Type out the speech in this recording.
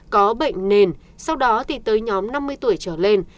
có bệnh nền sau đó thì tới nhóm năm mươi tuổi trở lên